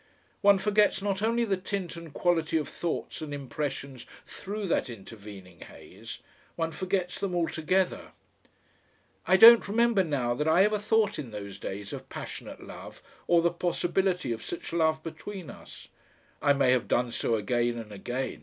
One forgets not only the tint and quality of thoughts and impressions through that intervening haze, one forgets them altogether. I don't remember now that I ever thought in those days of passionate love or the possibility of such love between us. I may have done so again and again.